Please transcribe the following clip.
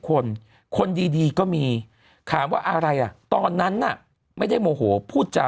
คนคนดีก็มีถามว่าอะไรอ่ะตอนนั้นน่ะไม่ได้โมโหพูดจา